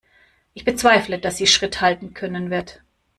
Ich bezweifle, dass sie Schritt halten können wird.